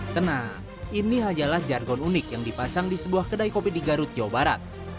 tenang ini hajalah jargon unik yang dipasang di sebuah kedai kopi di garut jawa barat